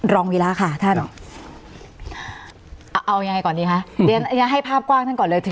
รองเวลาค่ะท่านอ่าเอายังไงก่อนดีฮะเดี๋ยวให้ภาพกว้างท่านก่อนเลย